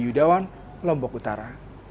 diyudawan lombok utara